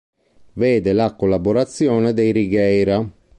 Vede la collaborazione dei Righeira.